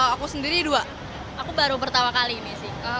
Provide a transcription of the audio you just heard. aku sendiri dua aku baru pertama kali ini sih